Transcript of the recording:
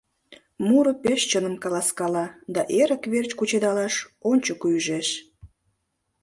Муро пеш чыным каласкала да эрык верч кучедалаш ончыко ӱжеш.